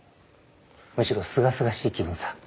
むしろすがすがしい気分さ。